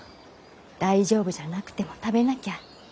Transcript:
大丈夫じゃなくても食べなきゃ。